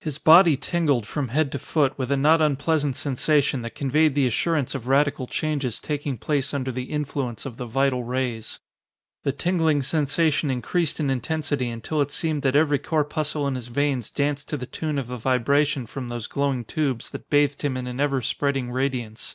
His body tingled from head to foot with a not unpleasant sensation that conveyed the assurance of radical changes taking place under the influence of the vital rays. The tingling sensation increased in intensity until it seemed that every corpuscle in his veins danced to the tune of the vibration from those glowing tubes that bathed him in an ever spreading radiance.